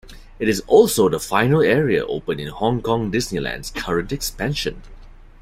It is also the final area opened in Hong Kong Disneyland's current expansion.